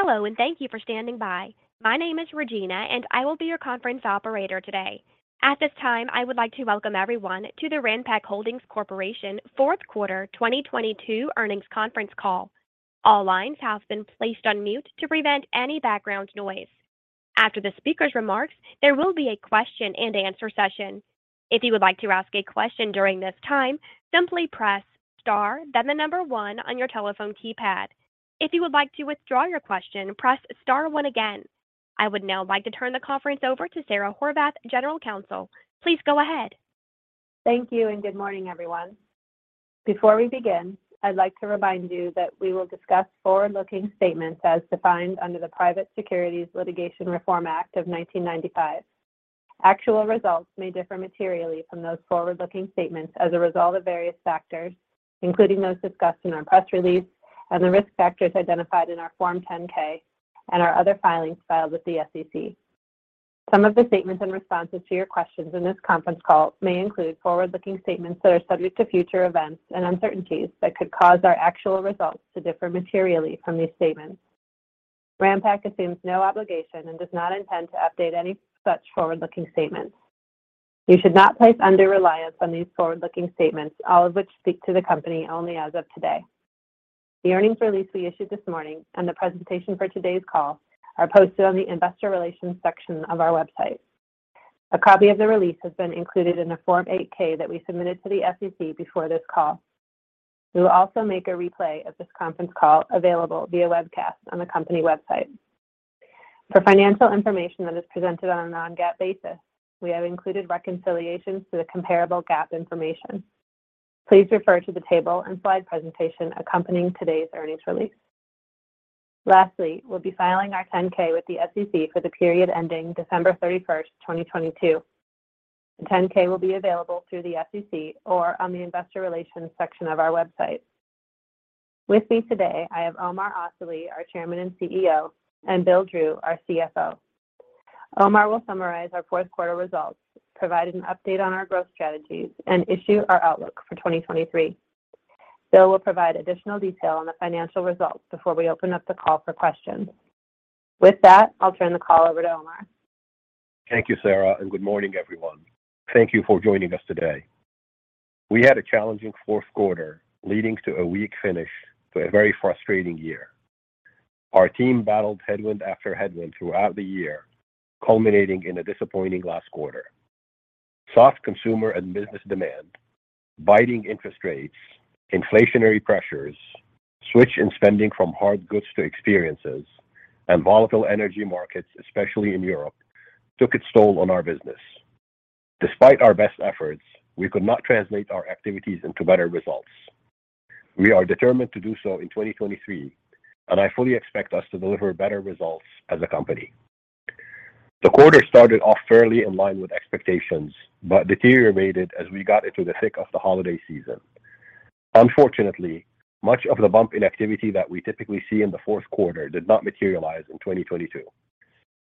Hello, and thank you for standing by. My name is Regina, and I will be your conference operator today. At this time, I would like to welcome everyone to the Ranpak Holdings Corp. Q4 2022 earnings conference call. All lines have been placed on mute to prevent any background noise. After the speaker's remarks, there will be a question-and-answer session. If you would like to ask a question during this time, simply press star then the number 1 on your telephone keypad. If you would like to withdraw your question, press star 1 again. I would now like to turn the conference over to Sara Horvath, General Counsel. Please go ahead. Thank you, and good morning, everyone. Before we begin, I'd like to remind you that we will discuss forward-looking statements as defined under the Private Securities Litigation Reform Act of 1995. Actual results may differ materially from those forward-looking statements as a result of various factors, including those discussed in our press release and the risk factors identified in our Form 10-K and our other filings filed with the SEC. Some of the statements and responses to your questions in this conference call may include forward-looking statements that are subject to future events and uncertainties that could cause our actual results to differ materially from these statements. Ranpak assumes no obligation and does not intend to update any such forward-looking statements. You should not place undue reliance on these forward-looking statements, all of which speak to the company only as of today. The earnings release we issued this morning and the presentation for today's call are posted on the investor relations section of our website. A copy of the release has been included in the Form 8-K that we submitted to the SEC before this call. We will also make a replay of this conference call available via webcast on the company website. For financial information that is presented on a non-GAAP basis, we have included reconciliations to the comparable GAAP information. Please refer to the table and slide presentation accompanying today's earnings release. Lastly, we'll be filing our 10-K with the SEC for the period ending December 31st, 2022. The 10-K will be available through the SEC or on the investor relations section of our website. With me today, I have Omar Asali, our Chairman and CEO, and Bill Drew, our CFO. Omar will summarize our Q4 results, provide an update on our growth strategies, and issue our outlook for 2023. Bill will provide additional detail on the financial results before we open up the call for questions. With that, I'll turn the call over to Omar. Thank you, Sara. Good morning, everyone. Thank you for joining us today. We had a challenging Q4 leading to a weak finish to a very frustrating. Our team battled headwind after headwind throughout the year, culminating in a disappointing last quarter. Soft consumer and business demand, biting interest rates, inflationary pressures, switch in spending from hard goods to experiences, and volatile energy markets, especially in Europe, took its toll on our business. Despite our best efforts, we could not translate our activities into better results. We are determined to do so in 2023, and I fully expect us to deliver better results as a company. The quarter started off fairly in line with expectations, but deteriorated as we got into the thick of the holiday season. Unfortunately, much of the bump in activity that we typically see in the Q4 did not materialize in 2022.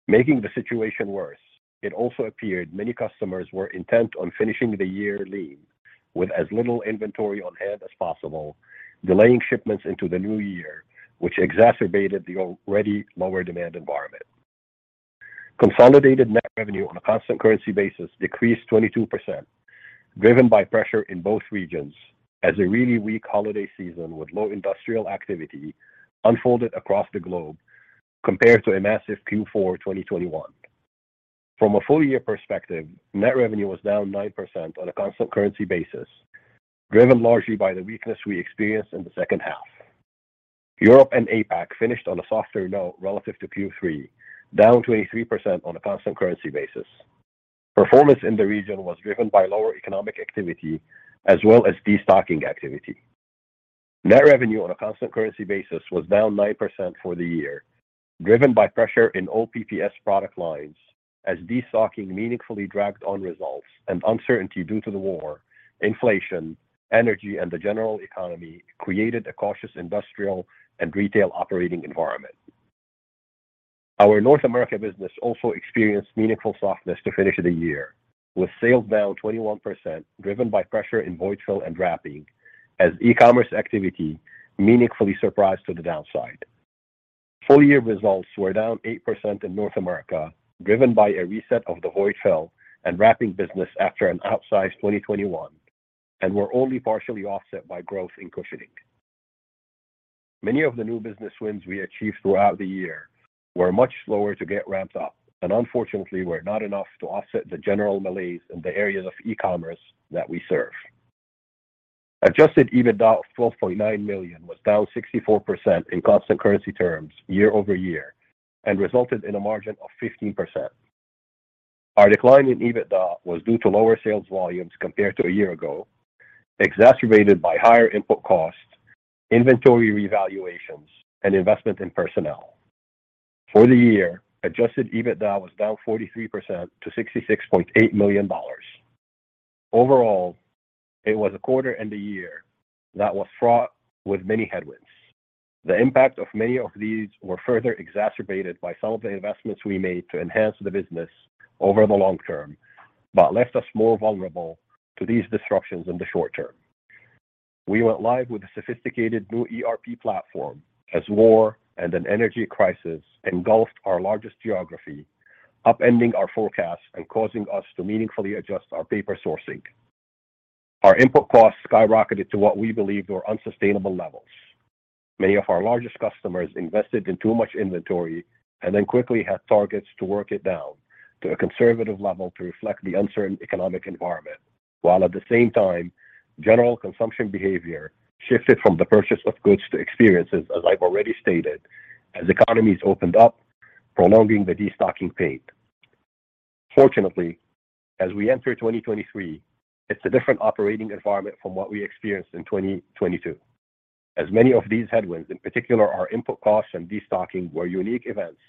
Making the situation worse, it also appeared many customers were intent on finishing the year lean with as little inventory on hand as possible, delaying shipments into the new year, which exacerbated the already lower demand environment. Consolidated net revenue on a constant currency basis decreased 22%, driven by pressure in both regions as a really weak holiday season with low industrial activity unfolded across the globe compared to a massive Q4, 2021. From a full year perspective, net revenue was down 9% on a constant currency basis, driven largely by the weakness we experienced in the second half. Europe and APAC finished on a softer note relative to Q3, down 23% on a constant currency basis. Performance in the region was driven by lower economic activity as well as destocking activity. Net revenue on a constant currency basis was down 9% for the year, driven by pressure in all PPS product lines as destocking meaningfully dragged on results and uncertainty due to the war, inflation, energy, and the general economy created a cautious industrial and retail operating environment. Our North America business also experienced meaningful softness to finish the year, with sales down 21%, driven by pressure in Void Fill and Wrapping as e-commerce activity meaningfully surprised to the downside. Full year results were down 8% in North America, driven by a reset of the Void Fill and Wrapping business after an outsized 2021 and were only partially offset by growth in Cushioning. Many of the new business wins we achieved throughout the year were much slower to get ramped up and unfortunately were not enough to offset the general malaise in the areas of e-commerce that we serve. Adjusted EBITDA of $12.9 million was down 64% in constant currency terms year-over-year and resulted in a margin of 15%. Our decline in EBITDA was due to lower sales volumes compared to a year ago, exacerbated by higher input costs, inventory revaluations, and investment in personnel. For the year, Adjusted EBITDA was down 43% to $66.8 million. Overall, it was a quarter and a year that was fraught with many headwinds. The impact of many of these were further exacerbated by some of the investments we made to enhance the business over the long term, but left us more vulnerable to these disruptions in the short term. We went live with a sophisticated new ERP platform as war and an energy crisis engulfed our largest geography, upending our forecast and causing us to meaningfully adjust our paper sourcing. Our input costs skyrocketed to what we believed were unsustainable levels. Many of our largest customers invested in too much inventory and then quickly had targets to work it down to a conservative level to reflect the uncertain economic environment. While at the same time, general consumption behavior shifted from the purchase of goods to experiences, as I've already stated, as economies opened up, prolonging the destocking pain. Fortunately, as we enter 2023, it's a different operating environment from what we experienced in 2022, as many of these headwinds, in particular our input costs and destocking, were unique events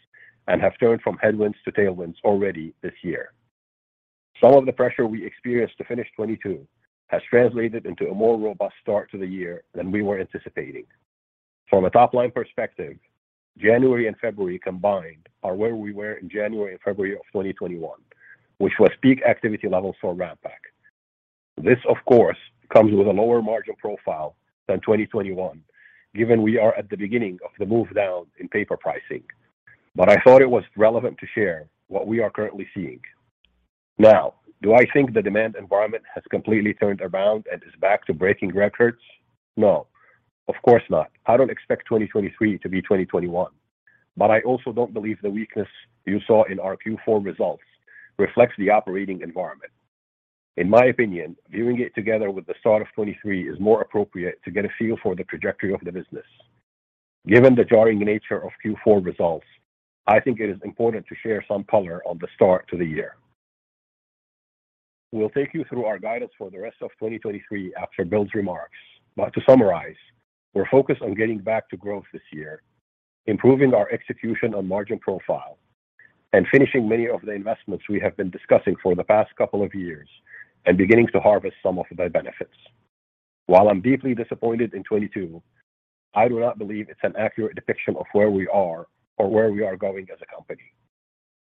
and have turned from headwinds to tailwinds already this year. Some of the pressure we experienced to finish 2022 has translated into a more robust start to the year than we were anticipating. From a top-line perspective, January and February combined are where we were in January and February of 2021, which was peak activity levels for Ranpak. This, of course, comes with a lower margin profile than 2021, given we are at the beginning of the move down in paper pricing. I thought it was relevant to share what we are currently seeing. Now, do I think the demand environment has completely turned around and is back to breaking records? No, of course not. I don't expect 2023 to be 2021. I also don't believe the weakness you saw in our Q4 results reflects the operating environment. In my opinion, viewing it together with the start of 2023 is more appropriate to get a feel for the trajectory of the business. Given the jarring nature of Q4 results, I think it is important to share some color on the start to the year. We'll take you through our guidance for the rest of 2023 after Bill's remarks. To summarize, we're focused on getting back to growth this year, improving our execution on margin profile, and finishing many of the investments we have been discussing for the past couple of years and beginning to harvest some of the benefits. While I'm deeply disappointed in 2022, I do not believe it's an accurate depiction of where we are or where we are going as a company.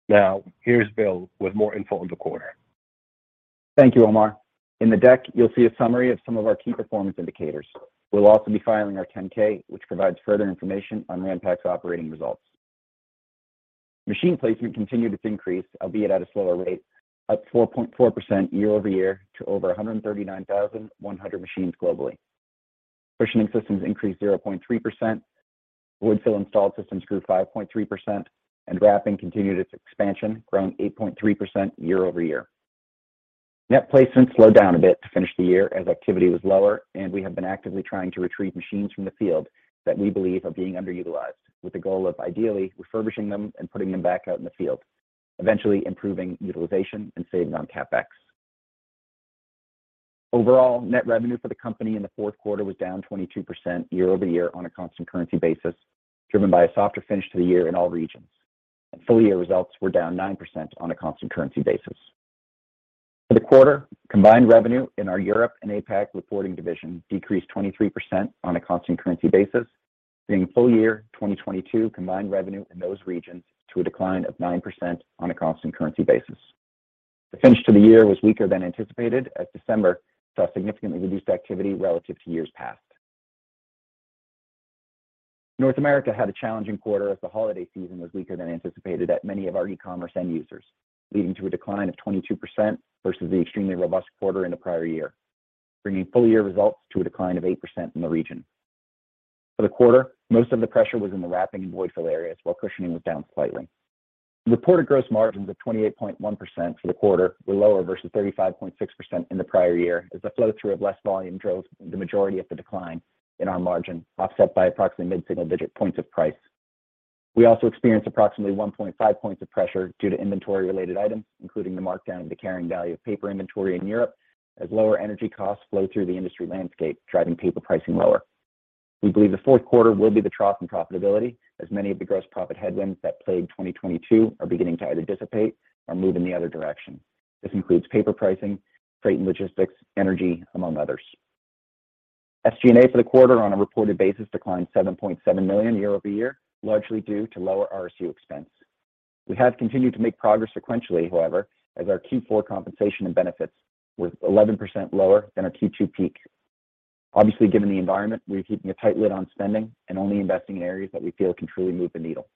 Now, here's Bill with more info on the quarter. Thank you, Omar. In the deck, you'll see a summary of some of our key performance indicators. We'll also be filing our 10-K, which provides further information on Ranpak's operating results. Machine placement continued its increase, albeit at a slower rate, up 4.4% year-over-year to over 139,100 machines globally. Cushioning systems increased 0.3%. Void Fill installed systems grew 5.3%, Wrapping continued its expansion, growing 8.3% year-over-year. Net placements slowed down a bit to finish the year as activity was lower, and we have been actively trying to retrieve machines from the field that we believe are being underutilized with the goal of ideally refurbishing them and putting them back out in the field, eventually improving utilization and saving on CapEx. Overall, net revenue for the company in the Q4 was down 22% year-over-year on a constant currency basis, driven by a softer finish to the year in all regions. Full-year results were down 9% on a constant currency basis. For the quarter, combined revenue in our Europe and APAC reporting division decreased 23% on a constant currency basis, bringing full year 2022 combined revenue in those regions to a decline of 9% on a constant currency basis. The finish to the year was weaker than anticipated as December saw significantly reduced activity relative to years past. North America had a challenging quarter as the holiday season was weaker than anticipated at many of our e-commerce end users, leading to a decline of 22% versus the extremely robust quarter in the prior year, bringing full year results to a decline of 8% in the region. For the quarter, most of the pressure was in the Wrapping and Void Fill areas while Cushioning was down slightly. Reported gross margins of 28.1% for the quarter were lower versus 35.6% in the prior year as the flow-through of less volume drove the majority of the decline in our margin, offset by approximately mid-single-digit points of price. We also experienced approximately 1.5 points of pressure due to inventory-related items, including the markdown of the carrying value of paper inventory in Europe as lower energy costs flow through the industry landscape, driving paper pricing lower. We believe the Q4 will be the trough in profitability as many of the gross profit headwinds that plagued 2022 are beginning to either dissipate or move in the other direction. This includes paper pricing, freight and logistics, energy, among others. SG&A for the quarter on a reported basis declined $7.7 million year-over-year, largely due to lower RSU expense. We have continued to make progress sequentially, however, as our Q4 compensation and benefits were 11% lower than our Q2 peak. Obviously, given the environment, we're keeping a tight lid on spending and only investing in areas that we feel can truly move the needle.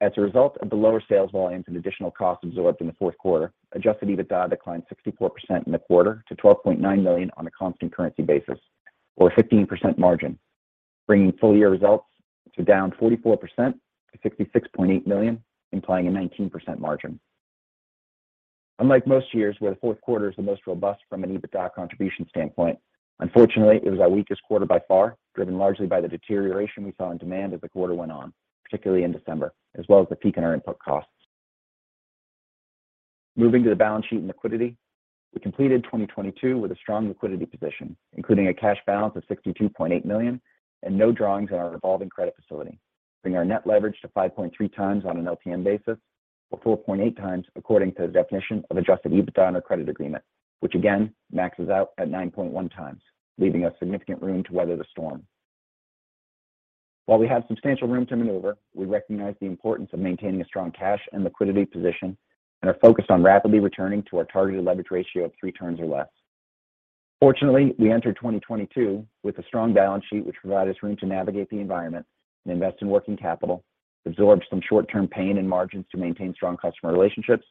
As a result of the lower sales volumes and additional costs absorbed in the Q4, Adjusted EBITDA declined 64% in the quarter to $12.9 million on a constant currency basis or a 15% margin, bringing full-year results to down 44% to $66.8 million, implying a 19% margin. Unlike most years where the Q4 is the most robust from an EBITDA contribution standpoint, unfortunately, it was our weakest quarter by far, driven largely by the deterioration we saw in demand as the quarter went on, particularly in December, as well as the peak in our input costs. Moving to the balance sheet and liquidity, we completed 2022 with a strong liquidity position, including a cash balance of $62.8 million and no drawings on our revolving credit facility, bringing our net leverage to 5.3 times on an LTM basis, or 4.8 times according to the definition of Adjusted EBITDA in our credit agreement, which again maxes out at 9.1 times, leaving us significant room to weather the storm. While we have substantial room to maneuver, we recognize the importance of maintaining a strong cash and liquidity position and are focused on rapidly returning to our targeted leverage ratio of 3 turns or less. Fortunately, we entered 2022 with a strong balance sheet, which provided us room to navigate the environment and invest in working capital, absorb some short-term pain and margins to maintain strong customer relationships,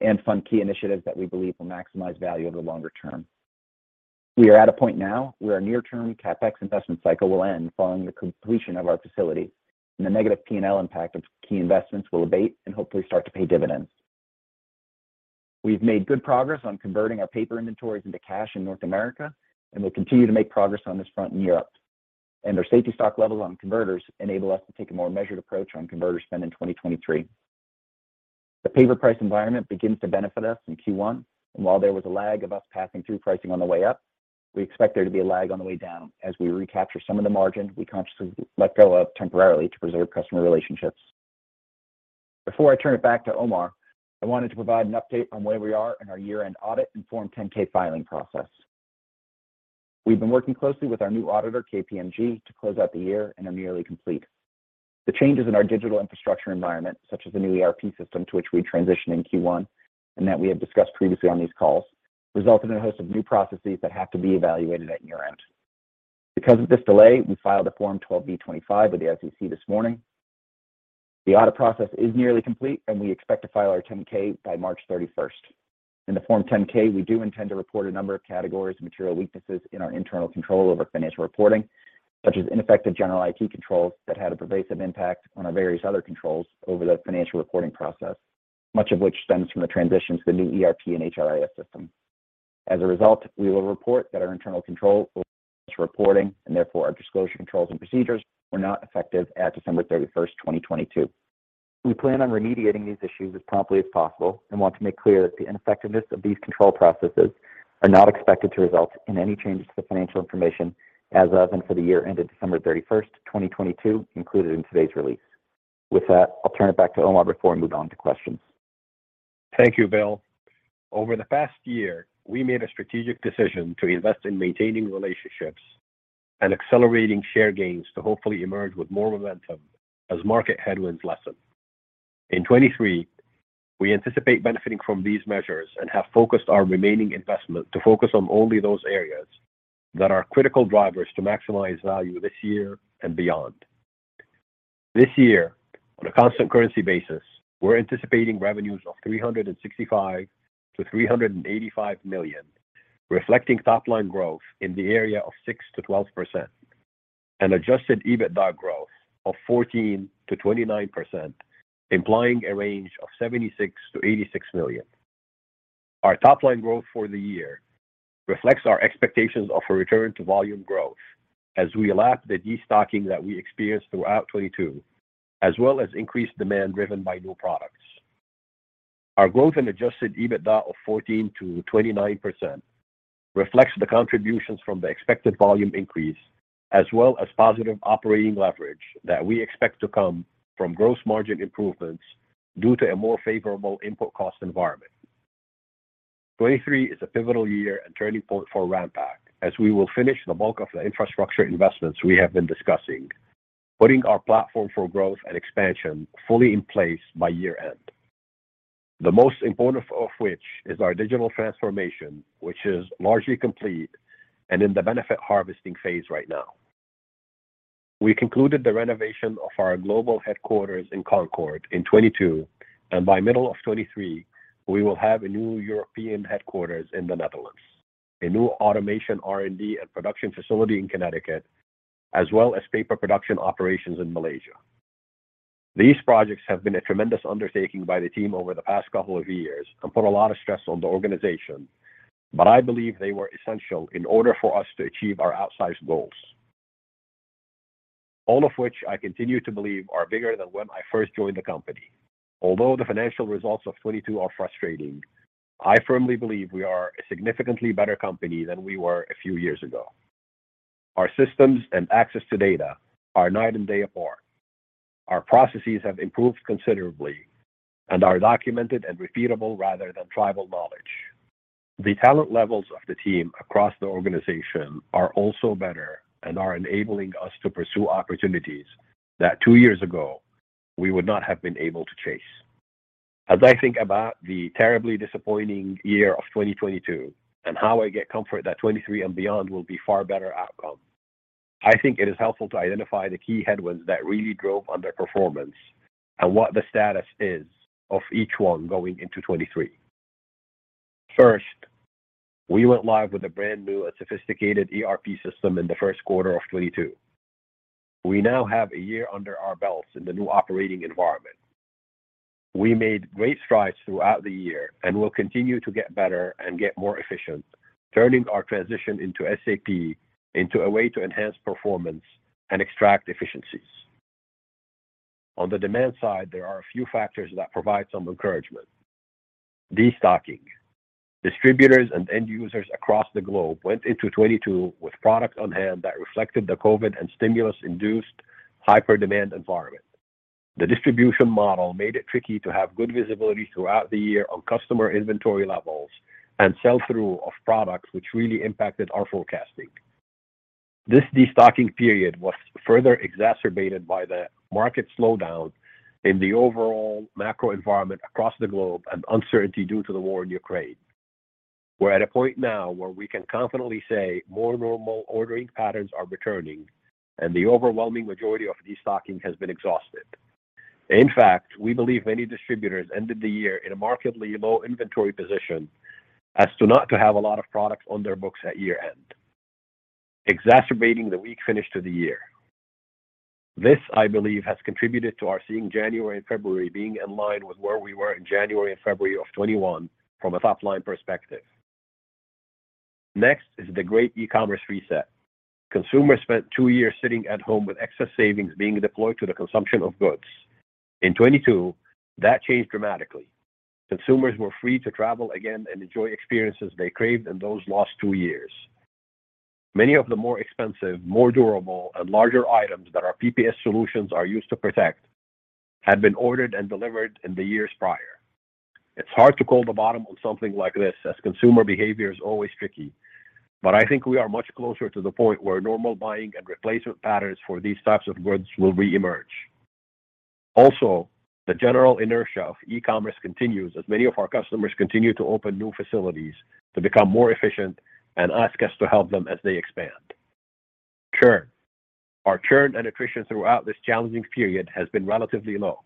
and fund key initiatives that we believe will maximize value over the longer term. We are at a point now where our near term CapEx investment cycle will end following the completion of our facility, and the negative P&L impact of key investments will abate and hopefully start to pay dividends. We've made good progress on converting our paper inventories into cash in North America, and we'll continue to make progress on this front in Europe. Our safety stock levels on converters enable us to take a more measured approach on converter spend in 2023. The paper price environment begins to benefit us in Q1, and while there was a lag of us passing through pricing on the way up, we expect there to be a lag on the way down as we recapture some of the margin we consciously let go of temporarily to preserve customer relationships. Before I turn it back to Omar, I wanted to provide an update on where we are in our year-end audit and Form 10-K filing process. We've been working closely with our new auditor, KPMG, to close out the year and are nearly complete. The changes in our digital infrastructure environment, such as the new ERP system to which we transition in Q1 and that we have discussed previously on these calls, resulted in a host of new processes that have to be evaluated at year-end. Because of this delay, we filed a Form 12b-25 with the SEC this morning. The audit process is nearly complete, and we expect to file our 10-K by March 31st. In the Form 10-K, we do intend to report a number of categories of material weaknesses in our internal control over financial reporting, such as ineffective general IT controls that had a pervasive impact on our various other controls over the financial reporting process, much of which stems from the transition to the new ERP and HRIS system. As a result, we will report that our internal control over financial reporting and therefore our disclosure controls and procedures were not effective at December 31st, 2022. We plan on remediating these issues as promptly as possible and want to make clear that the ineffectiveness of these control processes are not expected to result in any changes to the financial information as of and for the year ended December 31st, 2022 included in today's release. With that, I'll turn it back to Omar before we move on to questions. Thank you, Bill. Over the past year, we made a strategic decision to invest in maintaining relationships and accelerating share gains to hopefully emerge with more momentum as market headwinds lessen. In 2023, we anticipate benefiting from these measures and have focused our remaining investment to focus on only those areas that are critical drivers to maximize value this year and beyond. This year, on a constant currency basis, we're anticipating revenues of $365 million-$385 million, reflecting top line growth in the area of 6%-12%, an Adjusted EBITDA growth of 14%-29%, implying a range of $76 million-$86 million. Our top line growth for the year reflects our expectations of a return to volume growth as we lap the destocking that we experienced throughout 2022, as well as increased demand driven by new products. Our growth and Adjusted EBITDA of 14%-29% reflects the contributions from the expected volume increase as well as positive operating leverage that we expect to come from gross margin improvements due to a more favorable input cost environment. 2023 is a pivotal year and turning point for Ranpak, as we will finish the bulk of the infrastructure investments we have been discussing, putting our platform for growth and expansion fully in place by year-end. The most important of which is our digital transformation, which is largely complete and in the benefit harvesting phase right now. We concluded the renovation of our global headquarters in Concord in 2022, and by middle of 2023, we will have a new European headquarters in the Netherlands, a new automation, R&D and production facility in Connecticut, as well as paper production operations in Malaysia. These projects have been a tremendous undertaking by the team over the past couple of years and put a lot of stress on the organization, but I believe they were essential in order for us to achieve our outsized goals, all of which I continue to believe are bigger than when I first joined the company. Although the financial results of 2022 are frustrating, I firmly believe we are a significantly better company than we were a few years ago. Our systems and access to data are night and day apart. Our processes have improved considerably and are documented and repeatable rather than tribal knowledge. The talent levels of the team across the organization are also better and are enabling us to pursue opportunities that two years ago we would not have been able to chase. As I think about the terribly disappointing year of 2022 and how I get comfort that 2023 and beyond will be far better outcome, I think it is helpful to identify the key headwinds that really drove underperformance and what the status is of each one going into 2023. We went live with a brand new and sophisticated ERP system in the Q1 of 2022. We now have a year under our belts in the new operating environment. We made great strides throughout the year and will continue to get better and get more efficient, turning our transition into SAP into a way to enhance performance and extract efficiencies. On the demand side, there are a few factors that provide some encouragement. Destocking. Distributors and end users across the globe went into 2022 with product on hand that reflected the COVID and stimulus-induced hyper demand environment. The distribution model made it tricky to have good visibility throughout the year on customer inventory levels and sell-through of products which really impacted our forecasting. This destocking period was further exacerbated by the market slowdown in the overall macro environment across the globe and uncertainty due to the war in Ukraine. We're at a point now where we can confidently say more normal ordering patterns are returning and the overwhelming majority of destocking has been exhausted. In fact, we believe many distributors ended the year in a markedly low inventory position as to not to have a lot of products on their books at year-end, exacerbating the weak finish to the year. This, I believe, has contributed to our seeing January and February being in line with where we were in January and February of 2021 from a top-line perspective. Next is the great e-commerce reset. Consumers spent 2 years sitting at home with excess savings being deployed to the consumption of goods. In 2022, that changed dramatically. Consumers were free to travel again and enjoy experiences they craved in those last 2 years. Many of the more expensive, more durable, and larger items that our PPS solutions are used to protect had been ordered and delivered in the years prior. It's hard to call the bottom on something like this as consumer behavior is always tricky. I think we are much closer to the point where normal buying and replacement patterns for these types of goods will reemerge. The general inertia of e-commerce continues as many of our customers continue to open new facilities to become more efficient and ask us to help them as they expand. Churn. Our churn and attrition throughout this challenging period has been relatively low.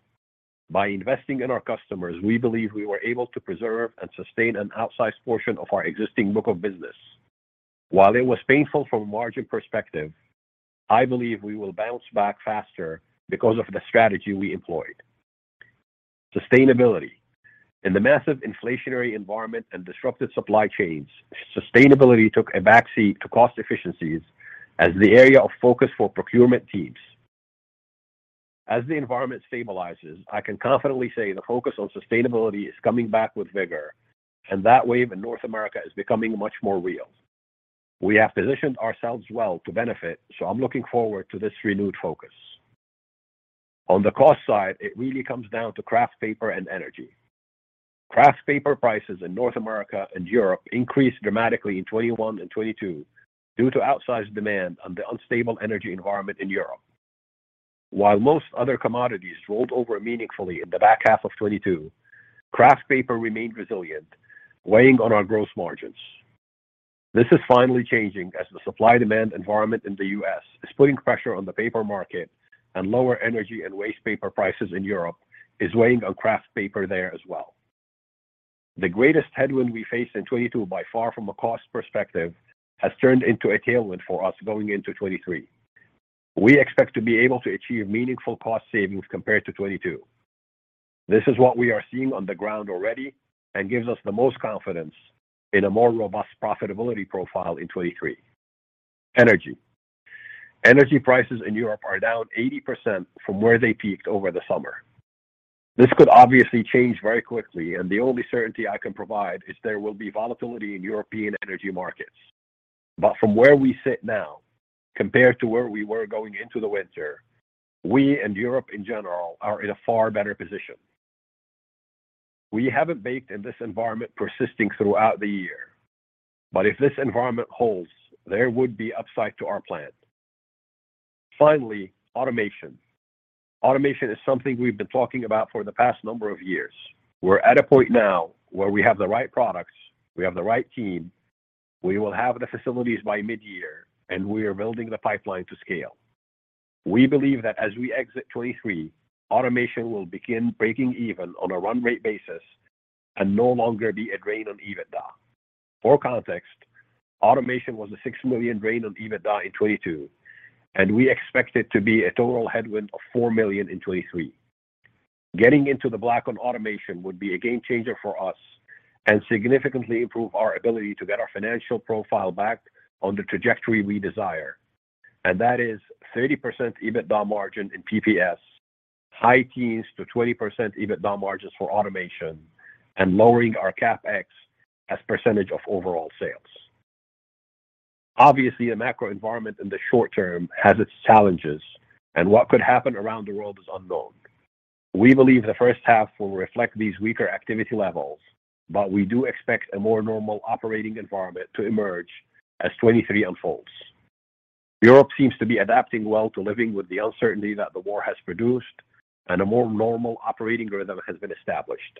By investing in our customers, we believe we were able to preserve and sustain an outsized portion of our existing book of business. It was painful from a margin perspective, I believe we will bounce back faster because of the strategy we employed. Sustainability. In the massive inflationary environment and disrupted supply chains, sustainability took a back seat to cost efficiencies as the area of focus for procurement teams. The environment stabilizes, I can confidently say the focus on sustainability is coming back with vigor, and that wave in North America is becoming much more real. We have positioned ourselves well to benefit. I'm looking forward to this renewed focus. On the cost side, it really comes down to kraft paper and energy. kraft paper prices in North America and Europe increased dramatically in 2021 and 2022 due to outsized demand and the unstable energy environment in Europe. While most other commodities rolled over meaningfully in the back half of 2022, kraft paper remained resilient, weighing on our gross margins. This is finally changing as the supply-demand environment in the U.S. is putting pressure on the paper market and lower energy and waste paper prices in Europe is weighing on kraft paper there as well. The greatest headwind we faced in 2022 by far from a cost perspective has turned into a tailwind for us going into 2023. We expect to be able to achieve meaningful cost savings compared to 2022. This is what we are seeing on the ground already and gives us the most confidence in a more robust profitability profile in 2023. Energy. Energy prices in Europe are down 80% from where they peaked over the summer. This could obviously change very quickly, and the only certainty I can provide is there will be volatility in European energy markets. From where we sit now, compared to where we were going into the winter, we and Europe in general are in a far better position. We haven't baked in this environment persisting throughout the year. If this environment holds, there would be upside to our plan. Finally, automation. Automation is something we've been talking about for the past number of years. We're at a point now where we have the right products, we have the right team, we will have the facilities by mid-year, and we are building the pipeline to scale. We believe that as we exit 2023, automation will begin breaking even on a run rate basis and no longer be a drain on EBITDA. For context, automation was a $6 million drain on EBITDA in 2022, and we expect it to be a total headwind of $4 million in 2023. Getting into the black on automation would be a game changer for us and significantly improve our ability to get our financial profile back on the trajectory we desire. That is 30% EBITDA margin in PPS, high teens to 20% EBITDA margins for automation, and lowering our CapEx as % of overall sales. The macro environment in the short term has its challenges, and what could happen around the world is unknown. We believe the first half will reflect these weaker activity levels, we do expect a more normal operating environment to emerge as 2023 unfolds. Europe seems to be adapting well to living with the uncertainty that the war has produced, a more normal operating rhythm has been established.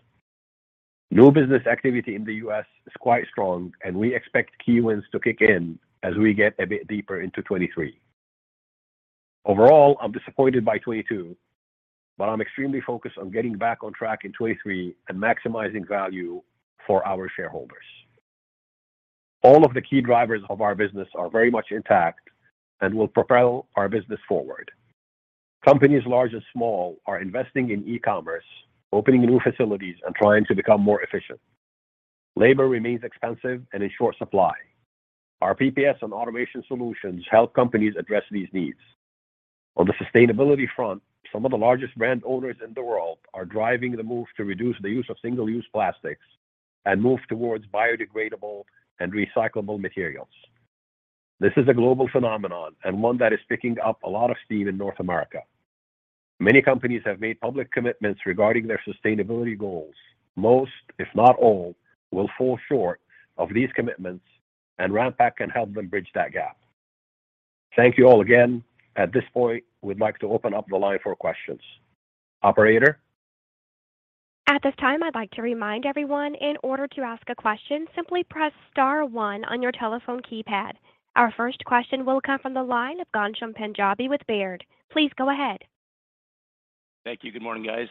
New business activity in the U.S. is quite strong, we expect key wins to kick in as we get a bit deeper into 2023. I'm disappointed by 2022, I'm extremely focused on getting back on track in 2023 and maximizing value for our shareholders. All of the key drivers of our business are very much intact and will propel our business forward. Companies large and small are investing in e-commerce, opening new facilities, and trying to become more efficient. Labor remains expensive and in short supply. Our PPS and automation solutions help companies address these needs. On the sustainability front, some of the largest brand owners in the world are driving the move to reduce the use of single-use plastics and move towards biodegradable and recyclable materials. This is a global phenomenon, and one that is picking up a lot of steam in North America. Many companies have made public commitments regarding their sustainability goals. Most, if not all, will fall short of these commitments, and Ranpak can help them bridge that gap. Thank you all again. At this point, we'd like to open up the line for questions. Operator? At this time, I'd like to remind everyone, in order to ask a question, simply press star 1 on your telephone keypad. Our first question will come from the line of Ghansham Panjabi with Baird. Please go ahead. Thank you. Good morning, guys.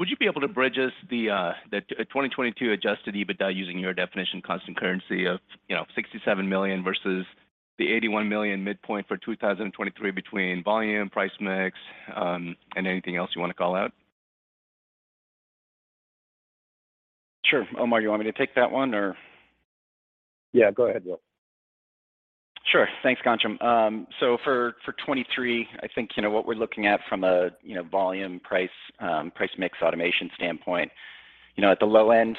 Would you be able to bridge us the Adjusted EBITDA using your definition constant currency of, $67 million versus the $81 million midpoint for 2023 between volume, price mix, and anything else you wanna call out? Sure. Omar, you want me to take that one or... Yeah, go ahead, Bill. Sure. Thanks, Ghansham. So for 2023, I think, what we're looking at from a, volume price mix automation standpoint, at the low end,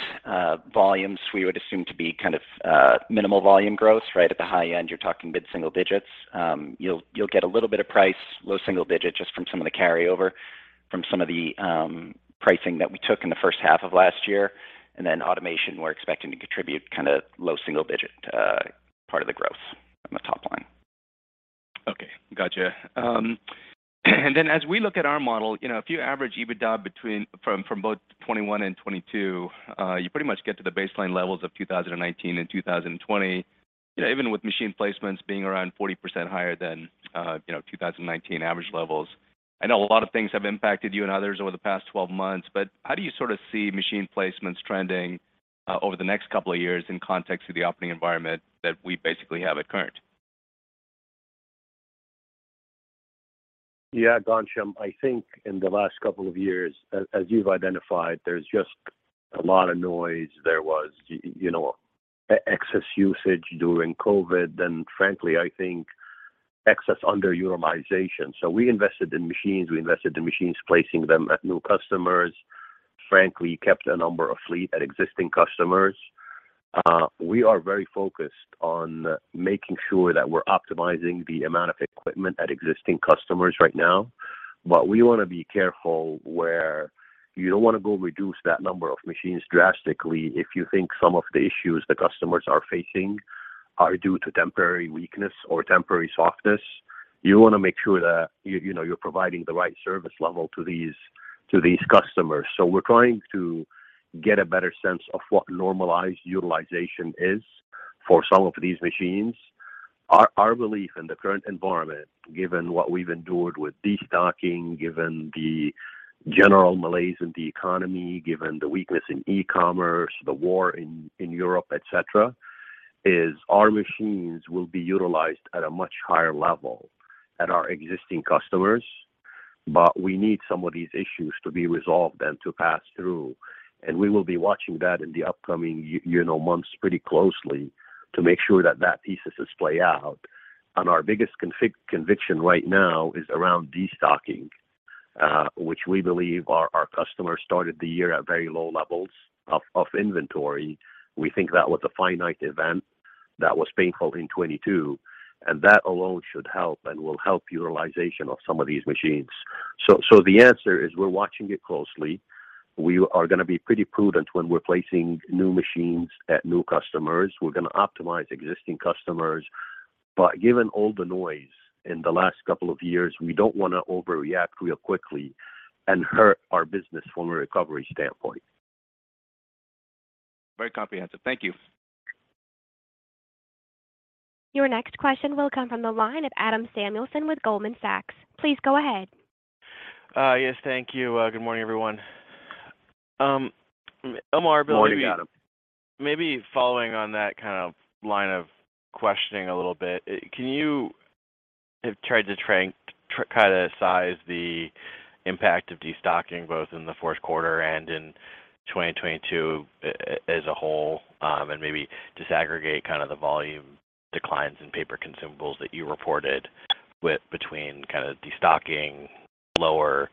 volumes, we would assume to be kind of, minimal volume growth, right? At the high end, you're talking mid-single digits. You'll get a little bit of price, low single digit, just from some of the carryover from some of the pricing that we took in the first half of last year. Automation, we're expecting to contribute kinda low single digit, part of the growth on the top line. Okay. Gotcha. As we look at our model, if you average EBITDA from both 21 and 22, you pretty much get to the baseline levels of 2019 and 2020. You know, even with machine placements being around 40% higher than, 2019 average levels. I know a lot of things have impacted you and others over the past 12 months, how do you sorta see machine placements trending over the next couple of years in context of the operating environment that we basically have at current? Yeah, Ghansham. I think in the last two years, as you've identified, there's just a lot of noise. There was, excess usage during COVID, and frankly, I think excess under-utilization. we invested in machines, placing them at new customers. Frankly, kept a number of fleet at existing customers. we are very focused on making sure that we're optimizing the amount of equipment at existing customers right now. we wanna be careful where you don't wanna go reduce that number of machines drastically if you think some of the issues the customers are facing are due to temporary weakness or temporary softness. You wanna make sure that you're providing the right service level to these customers. we're trying to get a better sense of what normalized utilization is for some of these machines. Our belief in the current environment, given what we've endured with destocking, given the general malaise in the economy, given the weakness in e-commerce, the war in Europe, et cetera, is our machines will be utilized at a much higher level at our existing customers, but we need some of these issues to be resolved and to pass through. We will be watching that in the upcoming months pretty closely to make sure that that thesis is play out. Our biggest conviction right now is around destocking, which we believe our customers started the year at very low levels of inventory. We think that was a finite event that was painful in 2022, and that alone should help and will help utilization of some of these machines. The answer is we're watching it closely. We are gonna be pretty prudent when we're placing new machines at new customers. We're gonna optimize existing customers. Given all the noise in the last couple of years, we don't wanna overreact real quickly and hurt our business from a recovery standpoint. Very comprehensive. Thank you. Your next question will come from the line of Adam Samuelson with Goldman Sachs. Please go ahead. Yes, thank you. Good morning, everyone. Omar. Morning, Adam. Maybe following on that kind of line of questioning a little bit, can you have tried to kinda size the impact of destocking, both in the Q4 and in 2022 as a whole, and maybe disaggregate kind of the volume declines in paper consumables that you reported between kinda destocking, lower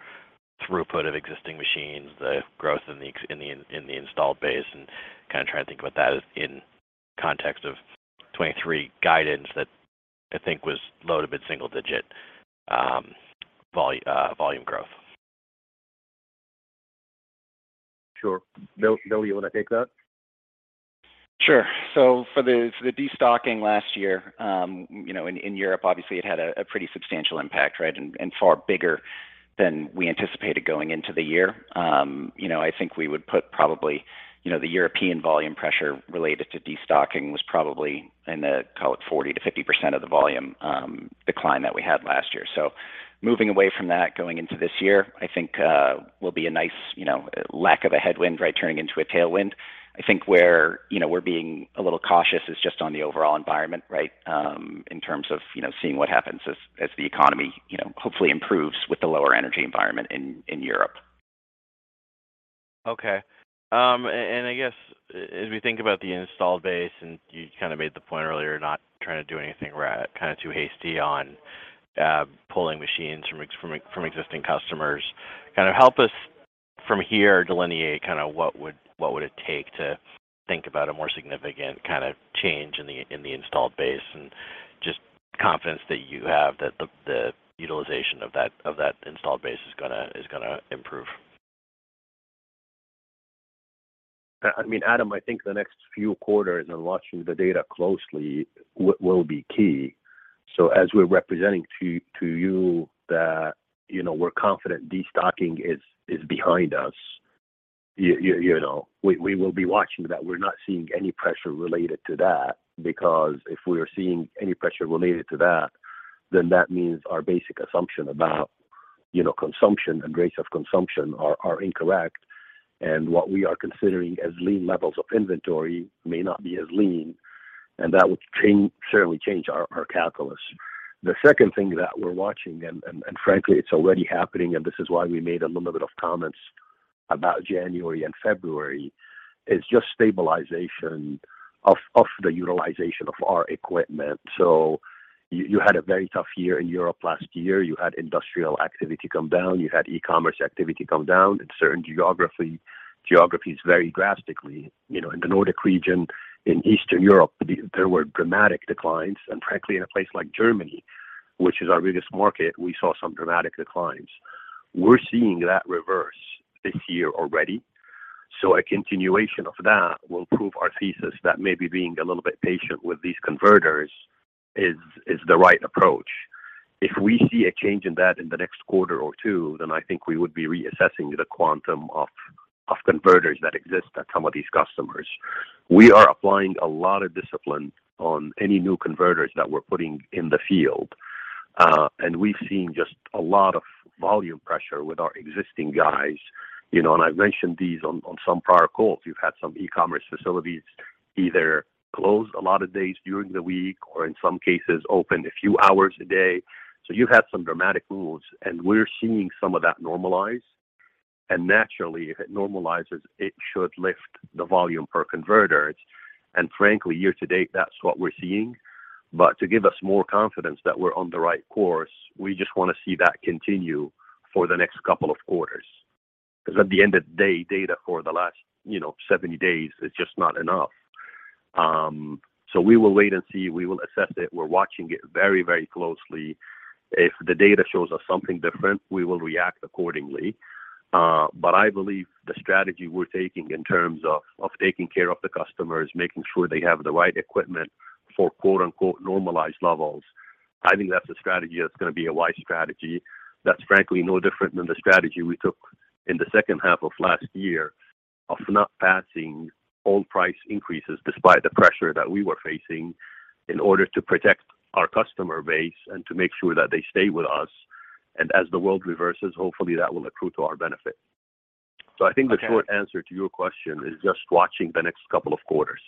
throughput of existing machines, the growth in the installed base, and kinda try to think about that as in context of 2023 guidance that I think was low to mid-single digit volume growth? Sure. Bill, you wanna take that? Sure. For the destocking last year, in Europe, obviously it had a pretty substantial impact, right? And far bigger than we anticipated going into the year. I think we would put probably, the European volume pressure related to destocking was probably in the, call it 40%-50% of the volume, decline that we had last year. Moving away from that going into this year, I think, will be a nice, lack of a headwind, right? Turning into a tailwind. I think where, we're being a little cautious is just on the overall environment, right? In terms of, seeing what happens as the economy, hopefully improves with the lower energy environment in Europe. Okay. I guess as we think about the installed base, and you kinda made the point earlier, not trying to do anything where at kinda too hasty on, pulling machines from existing customers. Kind of help us from here, delineate kinda what would it take to think about a more significant kinda change in the installed base, and just confidence that you have that the utilization of that installed base is gonna improve. I mean, Adam, I think the next few quarters and watching the data closely will be key. As we're representing to you that, we're confident destocking is behind us, we will be watching that we're not seeing any pressure related to that. If we are seeing any pressure related to that means our basic assumption about, consumption and rates of consumption are incorrect, and what we are considering as lean levels of inventory may not be as lean, and that would certainly change our calculus. The second thing that we're watching, and frankly it's already happening, and this is why we made a little bit of comments about January and February, is just stabilization of the utilization of our equipment. You had a very tough year in Europe last year. You had industrial activity come down. You had e-commerce activity come down in certain geographies very drastically. You know, in the Nordic Region, in Eastern Europe, there were dramatic declines. Frankly, in a place like Germany, which is our biggest market, we saw some dramatic declines. We're seeing that reverse this year already. A continuation of that will prove our thesis that maybe being a little bit patient with these converters is the right approach. If we see a change in that in the next quarter or two, I think we would be reassessing the quantum of converters that exist at some of these customers. We are applying a lot of discipline on any new converters that we're putting in the field. We've seen just a lot of volume pressure with our existing guys. You know, I've mentioned these on some prior calls. You've had some e-commerce facilities either close a lot of days during the week or, in some cases, open a few hours a day. You had some dramatic moves, and we're seeing some of that normalize. Naturally, if it normalizes, it should lift the volume per converter. Frankly, year to date, that's what we're seeing. To give us more confidence that we're on the right course, we just wanna see that continue for the next couple of quarters. 'Cause at the end of the day, data for the last, 70 days is just not enough. We will wait and see. We will assess it. We're watching it very, very closely. If the data shows us something different, we will react accordingly. I believe the strategy we're taking in terms of taking care of the customers, making sure they have the right equipment for, quote unquote, normalized levels, I think that's a strategy that's gonna be a wise strategy. That's frankly no different than the strategy we took in the second half of last year of not passing all price increases despite the pressure that we were facing in order to protect our customer base and to make sure that they stay with us. As the world reverses, hopefully that will accrue to our benefit. Okay. I think the short answer to your question is just watching the next couple of quarters.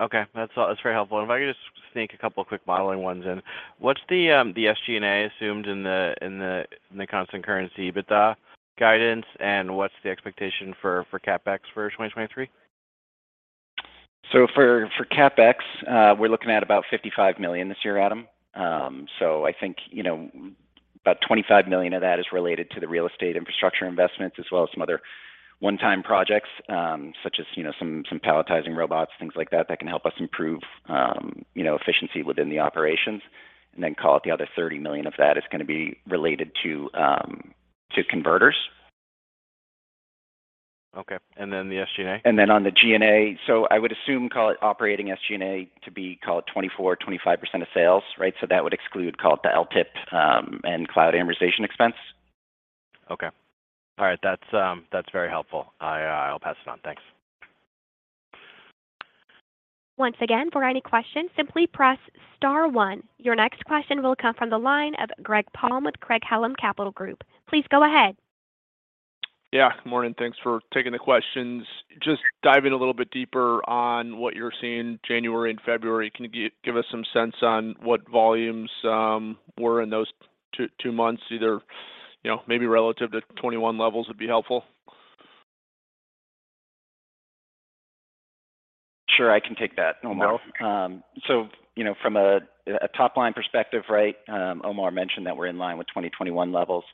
Okay. That's very helpful. If I could just sneak a couple quick modeling ones in. What's the SG&A assumed in the constant currency EBITDA guidance, and what's the expectation for CapEx for 2023? For CapEx, we're looking at about $55 million this year, Adam. I think, about $25 million of that is related to the real estate infrastructure investments as well as some other one-time projects, such as, some palletizing robots, things like that can help us improve, efficiency within the operations. Then call it the other $30 million of that is gonna be related to converters. Okay. The SG&A? On the G&A, I would assume, call it, operating SG&A to be, call it, 24%-25% of sales, right? That would exclude, call it, the LTIP, and cloud amortization expense. Okay. All right. That's, that's very helpful. I'll pass it on. Thanks. Once again, for any questions, simply press star one. Your next question will come from the line of Greg Palm with Craig-Hallum Capital Group. Please go ahead. Yeah. Morning. Thanks for taking the questions. Just diving a little bit deeper on what you're seeing January and February, can you give us some sense on what volumes were in those two months, either, maybe relative to 2021 levels would be helpful. Sure, I can take that, Omar. You know, from a top-line perspective, right, Omar mentioned that we're in line with 2021 levels.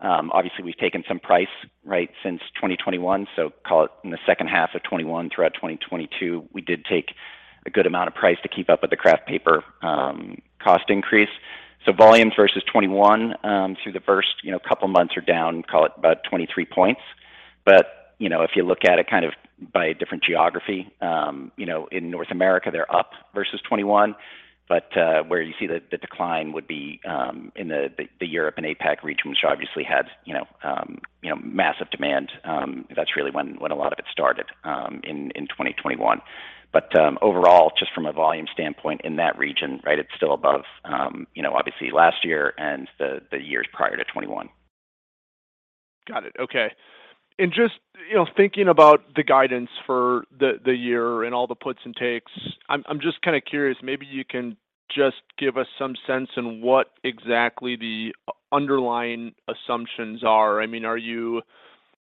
Obviously we've taken some price, right, since 2021. Call it in the second half of '21 throughout 2022, we did take a good amount of price to keep up with the kraft paper cost increase. Volumes versus '21, through the first, couple months are down, call it about 23 points. You know, if you look at it kind of by different geography, in North America, they're up versus '21. Where you see the decline would be in the Europe and APAC region, which obviously had, massive demand. That's really when a lot of it started in 2021. Overall, just from a volume standpoint in that region, right, it's still above, obviously last year and the years prior to 2021. Got it. Okay. Just, thinking about the guidance for the year and all the puts and takes, I'm just kinda curious, maybe you can just give us some sense in what exactly the underlying assumptions are. I mean, are you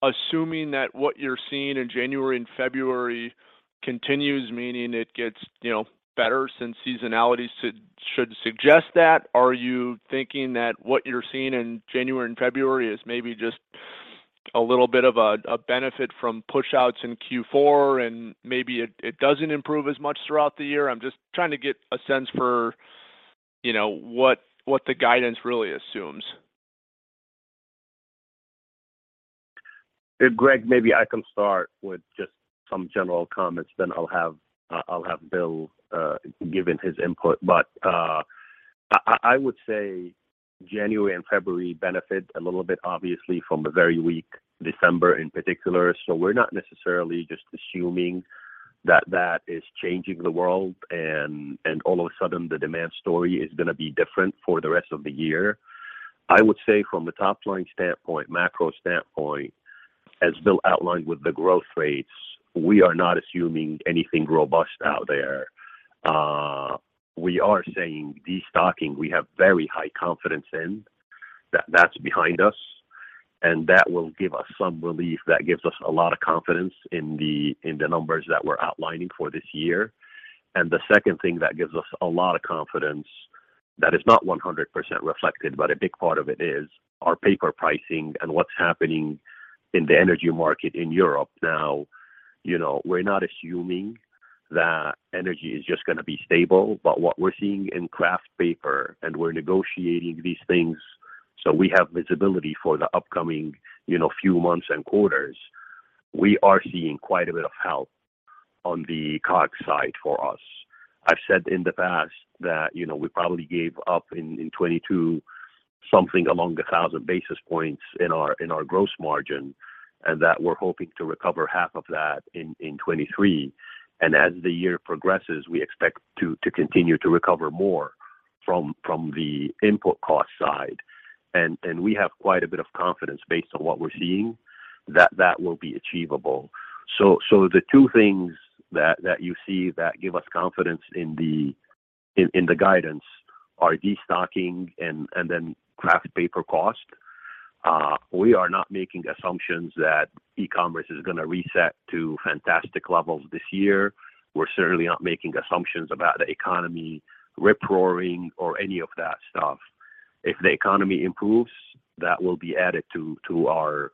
assuming that what you're seeing in January and February continues, meaning it gets, better since seasonality should suggest that? Are you thinking that what you're seeing in January and February is maybe just A little bit of a benefit from push outs in Q4, and maybe it doesn't improve as much throughout the year. I'm just trying to get a sense for, what the guidance really assumes. Greg, maybe I can start with just some general comments, then I'll have Bill give his input. I would say January and February benefit a little bit obviously from the very weak December in particular. We're not necessarily just assuming that that is changing the world and all of a sudden the demand story is gonna be different for the rest of the year. I would say from the top line standpoint, macro standpoint, as Bill outlined with the growth rates, we are not assuming anything robust out there. We are saying destocking, we have very high confidence in that that's behind us, and that will give us some relief. That gives us a lot of confidence in the numbers that we're outlining for this year. The second thing that gives us a lot of confidence that is not 100% reflected, but a big part of it is our paper pricing and what's happening in the energy market in Europe. You know, we're not assuming that energy is just gonna be stable, but what we're seeing in kraft paper, and we're negotiating these things, so we have visibility for the upcoming, few months and quarters. We are seeing quite a bit of help on the COGS side for us. I've said in the past that, we probably gave up in 2022 something along 1,000 basis points in our, in our gross margin, and that we're hoping to recover half of that in 2023. As the year progresses, we expect to continue to recover more from the input cost side. We have quite a bit of confidence based on what we're seeing that will be achievable. The two things that you see that give us confidence in the guidance are destocking and then kraft paper cost. We are not making assumptions that e-commerce is gonna reset to fantastic levels this year. We're certainly not making assumptions about the economy rip-roaring or any of that stuff. If the economy improves, that will be added to our,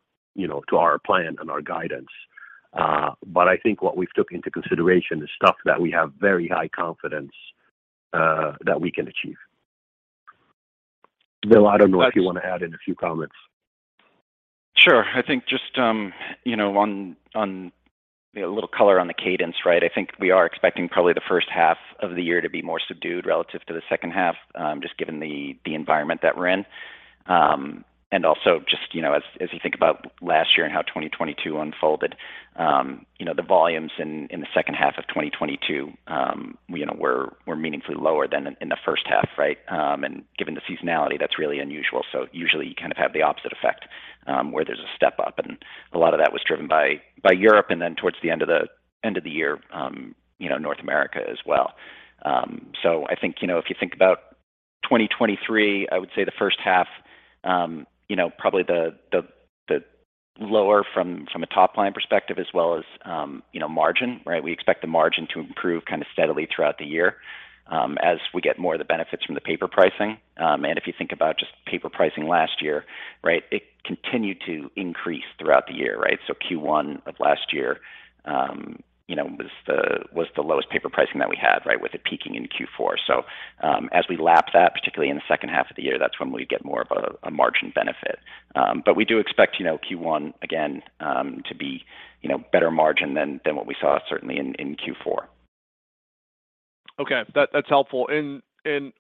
to our plan and our guidance. But I think what we've took into consideration is stuff that we have very high confidence that we can achieve. Bill, I don't know if you wanna add in a few comments. Sure. I think just, on a little color on the cadence, right? I think we are expecting probably the first half of the year to be more subdued relative to the second half, just given the environment that we're in. Also just, as you think about last year and how 2022 unfolded, the volumes in the second half of 2022, were meaningfully lower than in the first half, right? Given the seasonality, that's really unusual. Usually you kind of have the opposite effect, where there's a step-up, and a lot of that was driven by Europe, and then towards the end of the year, North America as well. I think, if you think about 2023, I would say the first half, probably the lower from a top line perspective as well as, margin. We expect the margin to improve kinda steadily throughout the year as we get more of the benefits from the paper pricing. If you think about just paper pricing last year, right. It continued to increase throughout the year, right. Q1 of last year, was the lowest paper pricing that we had, right. With it peaking in Q4. As we lap that, particularly in the second half of the year, that's when we get more of a margin benefit. We do expect, Q1 again, to be, better margin than what we saw certainly in Q4. That's helpful.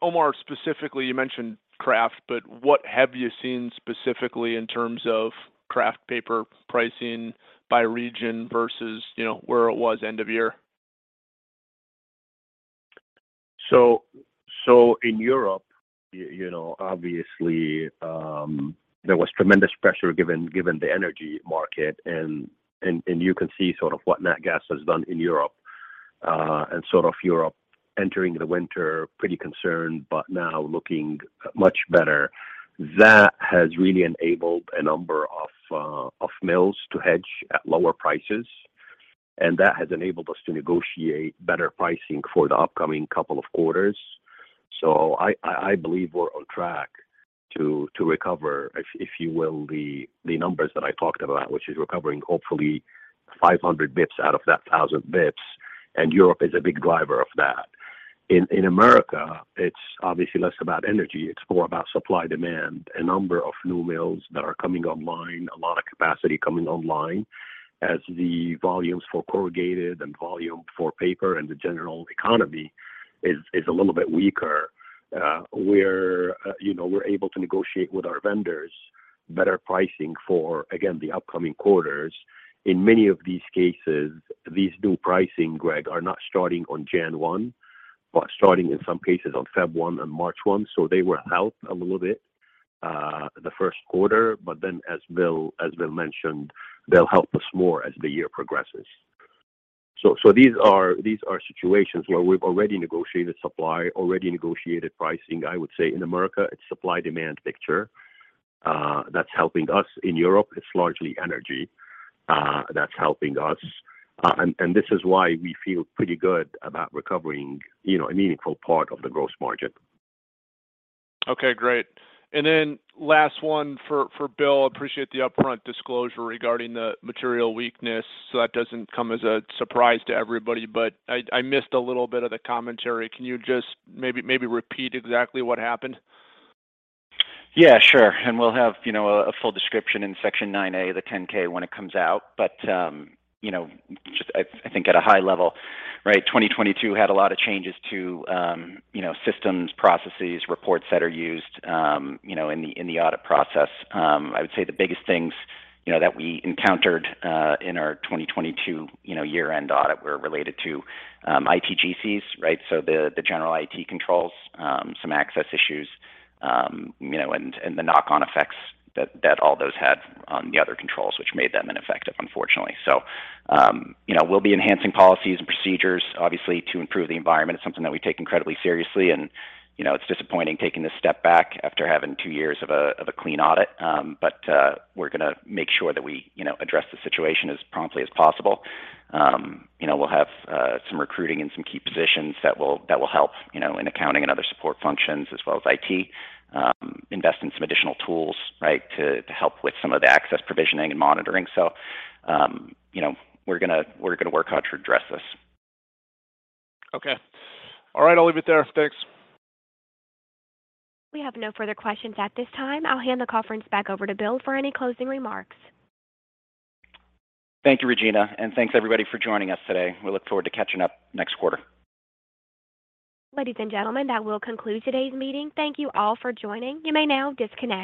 Omar, specifically, you mentioned kraft, but what have you seen specifically in terms of kraft paper pricing by region versus, where it was end of year? In Europe, obviously, there was tremendous pressure given the energy market and you can see sort of what natural gas has done in Europe. Sort of Europe entering the winter pretty concerned, but now looking much better. That has really enabled a number of mills to hedge at lower prices, and that has enabled us to negotiate better pricing for the upcoming couple of quarters. I believe we're on track to recover, if you will, the numbers that I talked about, which is recovering hopefully 500 basis points out of that 1,000 basis points, and Europe is a big driver of that. In America, it's obviously less about energy, it's more about supply demand. A number of new mills that are coming online, a lot of capacity coming online as the volumes for corrugated and volume for paper and the general economy is a little bit weaker. We're, you know, we're able to negotiate with our vendors better pricing for, again, the upcoming quarters. In many of these cases, these new pricing, Greg, are not starting on Jan 1, but starting in some cases on Feb 1 and March 1, so they were out a little bit the Q1. As Bill mentioned, they'll help us more as the year progresses. These are, these are situations where we've already negotiated supply, already negotiated pricing. I would say in America, it's supply demand picture that's helping us. In Europe, it's largely energy that's helping us. This is why we feel pretty good about recovering, a meaningful part of the gross margin. Okay, great. Last one for Bill. Appreciate the upfront disclosure regarding the material weakness, so that doesn't come as a surprise to everybody. I missed a little bit of the commentary. Can you just repeat exactly what happened? Yeah, sure. We'll have, a full description in Section 9A of the 10-K when it comes out. You know, just I think at a high level, right, 2022 had a lot of changes to, systems, processes, reports that are used, in the, in the audit process. I would say the biggest things, that we encountered in our 2022, year-end audit was related to ITGCs, right? The general IT controls, some access issues, and the knock-on effects that all those had on the other controls, which made them ineffective, unfortunately. You know, we'll be enhancing policies and procedures obviously to improve the environment. It's something that we take incredibly seriously and, it's disappointing taking this step back after having two years of a, of a clean audit. We're gonna make sure that we, address the situation as promptly as possible. we'll have some recruiting in some key positions that will help, in accounting and other support functions as well as IT. Invest in some additional tools, right, to help with some of the access provisioning and monitoring. You know, we're gonna work hard to address this. Okay. All right, I'll leave it there. Thanks. We have no further questions at this time. I'll hand the conference back over to Bill for any closing remarks. Thank you, Regina, and thanks everybody for joining us today. We look forward to catching up next quarter. Ladies and gentlemen, that will conclude today's meeting. Thank you all for joining. You may now disconnect.